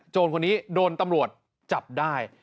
คนนี้โดนตำรวจจับได้